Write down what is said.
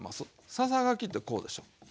ささがきってこうでしょ。